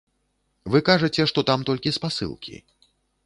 Вы кажаце, што там толькі спасылкі.